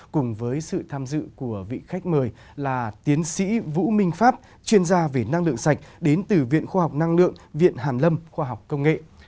cùng với sự tham dự của vị khách mời là tiến sĩ vũ minh pháp chuyên gia về năng lượng sạch đến từ viện khoa học năng lượng viện hàn lâm khoa học công nghệ